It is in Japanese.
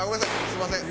すみません。